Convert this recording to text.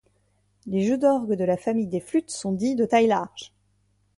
Les jeux d'orgue de la famille des flûtes sont dits de taille large.